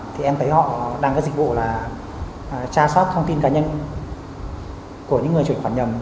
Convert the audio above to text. thì em thấy họ đang có dịch vụ là tra sát thông tin cá nhân của những người chuyển khoản nhầm